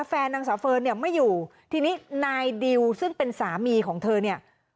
นางสาวเฟิร์นเนี่ยไม่อยู่ทีนี้นายดิวซึ่งเป็นสามีของเธอเนี่ย